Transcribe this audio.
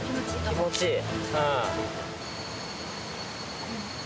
気持ちいい。